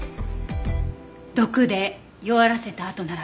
毒で弱らせたあとならば。